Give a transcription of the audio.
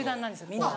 みんな。